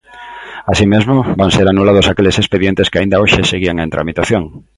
Así mesmo, van ser anulados aqueles expedientes que aínda hoxe seguían en tramitación.